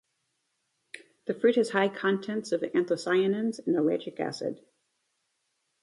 The fruit has high contents of anthocyanins and ellagic acid.